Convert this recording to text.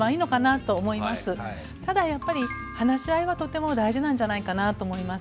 ただやっぱり話し合いはとても大事なんじゃないかなと思います。